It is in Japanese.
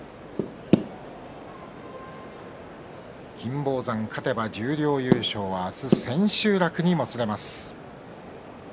金峰山、勝てば十両優勝は明日、千秋楽にもつれます。